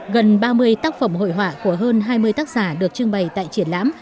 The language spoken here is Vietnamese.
gần ba mươi tác phẩm hội họa của hơn hai mươi tác giả được trưng bày tại triển lãm